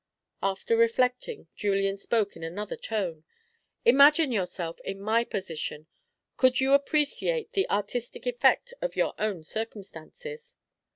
After reflecting, Julian spoke in another tone. "Imagine yourself in my position. Could you appreciate the artistic effect of your own circumstances?"